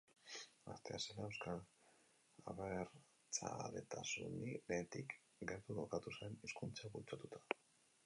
Gaztea zela euskal abertzaletasunetik gertu kokatu zen, hizkuntzak bultzatuta.